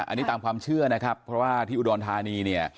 อันนี้ตามความเชื่อนะครับเพราะว่าที่อุดรธานีเนี่ย